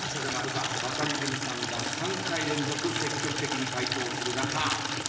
バカリズムさんが３回連続積極的に回答する中西田さん